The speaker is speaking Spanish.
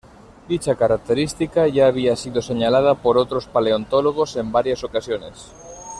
Dicha característica ya había sido señalada por otros paleontólogos en varias ocasiones.